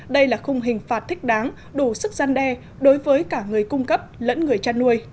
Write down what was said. đây là khung hình phạt thích đáng đủ sức gian đe đối với cả người cung cấp lẫn người chăn nuôi